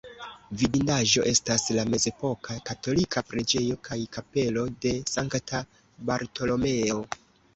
Vidindaĵo estas la mezepoka katolika preĝejo kaj kapelo de Sankta Bartolomeo.